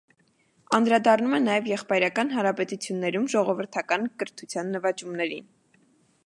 Անդրադառնում է նաև եղբայրական հանրապետություններում ժողողովրդական կրթության նվաճումներին։